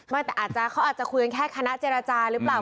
ไม่แต่อาจจะเขาอาจจะคุยกันแค่คณะเจรจาหรือเปล่า